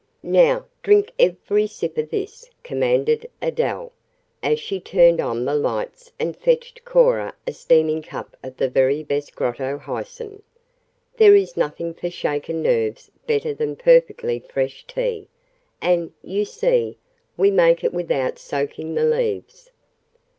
"Now drink every sip of this," commanded Adele, as she turned on the lights and fetched Cora a steaming cup of the very best Grotto Hyson. "There is nothing for shaken nerves better than perfectly fresh tea, and, you see, we make it without soaking the leaves."